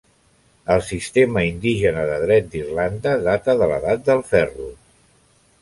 El sistema indígena de dret d'Irlanda data de l'Edat del Ferro.